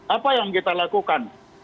apa yang kita lakukan